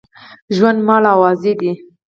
ژوند، مال او آزادي